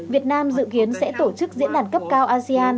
việt nam dự kiến sẽ tổ chức diễn đàn cấp cao asean